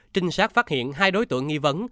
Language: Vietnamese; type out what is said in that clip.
trinh sát phát hiện hai đối tượng nghi vấn